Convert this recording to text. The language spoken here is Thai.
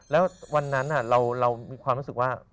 แล้ววันนั้นเรามีความรู้สึกว่า